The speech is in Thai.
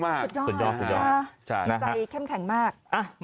สุดยอดค่ะใจแข็งแข็งมาก